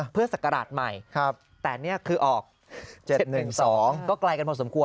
เพื่อศักราชใหม่แต่นี่คือออก๗๑๒ก็ไกลกันพอสมควร